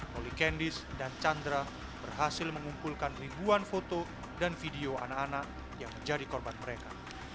holikendis dan chandra berhasil mengumpulkan ribuan foto dan video anak anak yang menjadi korban mereka